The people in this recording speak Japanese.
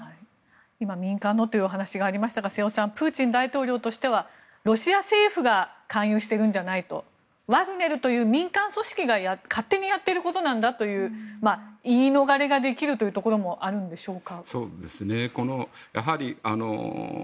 今、民間のというお話がありましたが瀬尾さんプーチン大統領としてはロシア政府が勧誘しているんじゃないとワグネルという民間組織が勝手にやってることなんだという言い逃れができるというところもあるんでしょうか。